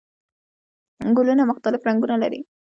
ګلونه مختلف رنګونه لري